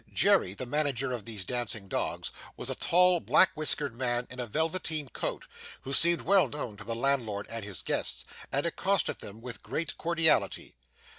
Jerry, the manager of these dancing dogs, was a tall black whiskered man in a velveteen coat, who seemed well known to the landlord and his guests and accosted them with great cordiality.